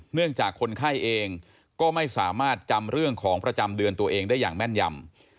เนื่องจากคนไข้เองก็ไม่สามารถจำเรื่องของประจำเดือนตัวเองได้อย่างแม่นยำ